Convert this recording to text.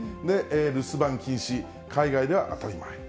留守番禁止、海外では当たり前。